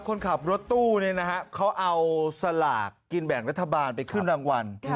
คนขับรถตู้เขาเอาสลากกินแบ่งรัฐบาลไปขึ้นรางวัล